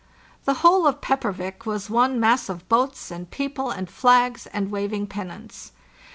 The whole of Peppervik was one mass of boats and people and flags and waving pennants.